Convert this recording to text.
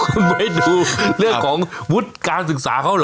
คุณไม่ดูเรื่องของวุฒิการศึกษาเขาเหรอ